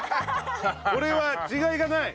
これは違いがない。